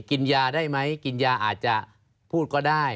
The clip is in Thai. กินยาได้ไหมกินยาอาจจะพูดก็ได้